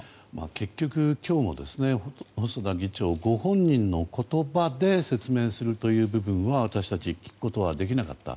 結局、今日も細田議長ご本人の言葉で説明するという部分は私たちは聞くことはできなかった。